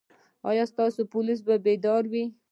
ایا ستاسو پولیس به بیدار وي؟